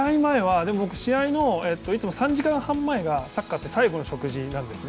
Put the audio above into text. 試合の３時間半前がサッカーって最後の食事になるんですね。